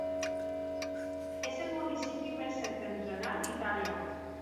És el municipi més septentrional d'Itàlia.